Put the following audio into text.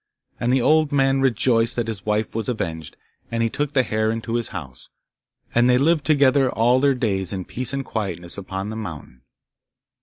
And the old man rejoiced that his wife was avenged, and he took the hare into his house, and they lived together all their days in peace and quietness upon the mountain.